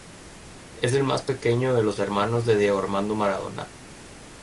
Es el más pequeño de los hermanos de Diego Armando Maradona.